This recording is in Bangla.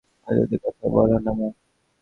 অযৌক্তিক কথা বোলো না, মা।